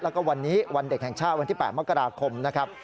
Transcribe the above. แล้วก็วันนี้วันเด็กแห่งชาติวันที่๘มกราคมนะครับ